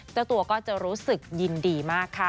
เจ้าตัวก็จะรู้สึกยินดีมากค่ะ